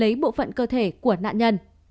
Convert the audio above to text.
a để lấy bộ phận cơ thể của nạn nhân